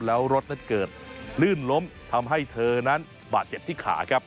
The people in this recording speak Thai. แล้วรถนั้นเกิดลื่นล้มทำให้เธอนั้นบาดเจ็บที่ขาครับ